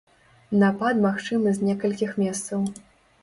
Напад магчымы з некалькіх месцаў.